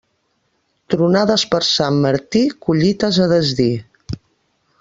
Tronades per Sant Martí, collites a desdir.